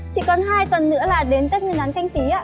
chỉ còn hai tuần nữa là đến các ngân án canh tí